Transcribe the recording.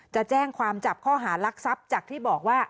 จะแจ้งความจับข้อหารักทรัพย์จากที่บอกว่า